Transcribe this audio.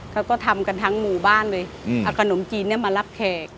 เขาก็ทำกันทั้งหมู่บ้านเลยเอาขนมจีนมารับแขก